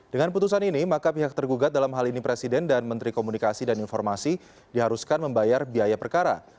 dengan putusan ini maka pihak tergugat dalam hal ini presiden dan menteri komunikasi dan informasi diharuskan membayar biaya perkara